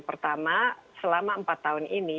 pertama selama empat tahun ini